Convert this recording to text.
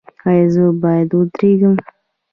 ایا زه باید ودریږم؟